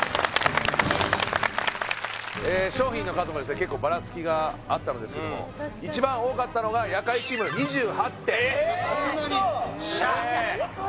商品の数も結構バラつきがあったのですけども一番多かったのが夜会チーム２８点えーっウソ！？